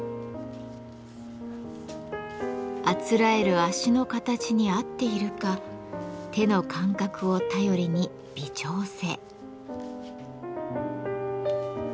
あつらえる足の形に合っているか手の感覚を頼りに微調整。